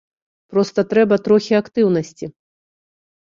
Проста трэба трохі актыўнасці.